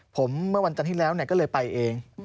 ผมเมื่อวันจันทร์ที่แล้วก็เลยไปเอง